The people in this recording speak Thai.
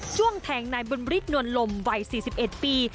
ช่วงแทงนายบุณบริษณ์นวลลมวัย๔๑ปี